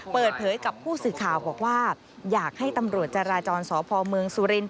เปิดเผยกับผู้สื่อข่าวบอกว่าอยากให้ตำรวจจราจรสพเมืองสุรินท